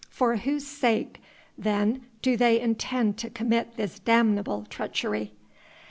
For whose sake then do they intend to commit this damnable treachery?"